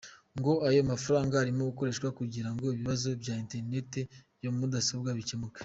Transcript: Ngo ayo mafaranga arimo gukoreshwa kugira ngo ibibazo bya interineti yo mu modoka bikemuke.